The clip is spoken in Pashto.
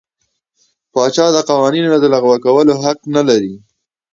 پاچا د قوانینو لغوه کولو واک نه لري.